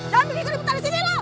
jangan bikin gue diputar di sini loh